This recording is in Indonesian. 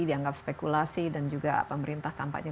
dianggap spekulasi dan juga pemerintah tampaknya